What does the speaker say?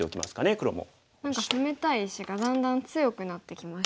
何か攻めたい石がだんだん強くなってきましたね。